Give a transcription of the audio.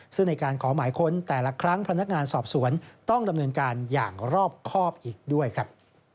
ซึ่งในการขอหมายค้นแต่ละครั้งพนักงานสอบสวนต้องดำเนินการอย่างรอบครอบอีกด้วยครับ